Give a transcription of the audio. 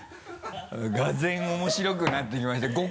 がぜん面白くなってきました。